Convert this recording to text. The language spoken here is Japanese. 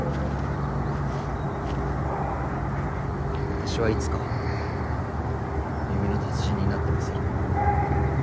私はいつか弓の達人になってみせる。